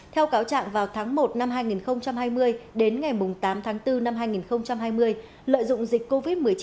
theo cáo trạng vào tháng một năm hai nghìn hai mươi đến ngày tám tháng bốn năm hai nghìn hai mươi lợi dụng dịch covid một mươi chín